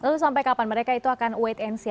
lalu sampai kapan mereka itu akan wait and see